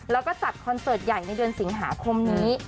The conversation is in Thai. แล้วก็จัดคอนเสิร์ตใหญ่ในเดือนสิงหาคมนี้